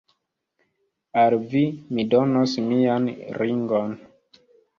Al vi mi donos mian ringon.